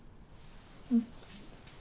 うん。